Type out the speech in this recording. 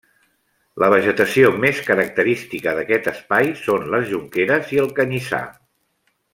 La vegetació més característica d’aquest espai són les jonqueres i el canyissar.